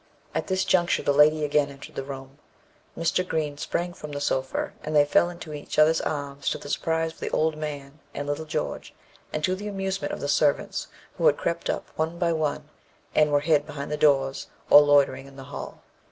At this juncture the lady again entered the room. Mr. Green sprang from the sofa, and they fell into each other's arms, to the surprise of the old man and little George, and to the amusement of the servants who had crept up one by one, and were hid behind the doors, or loitering in the hall.